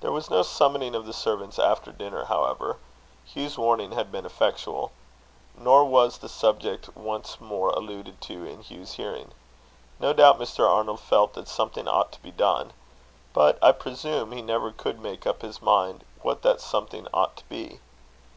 There was no summoning of the servants after dinner, however. Hugh's warning had been effectual. Nor was the subject once more alluded to in Hugh's hearing. No doubt Mr. Arnold felt that something ought to be done; but I presume he could never make up his mind what that something ought to be.